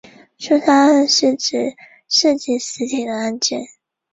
千叶新城最初曾规划建设都营地下铁新宿线本八幡站至此站的北千叶线。